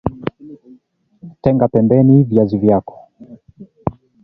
tenga pembeni viazi vyako